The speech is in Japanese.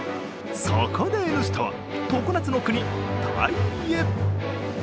そこで「Ｎスタ」は常夏の国タイへ。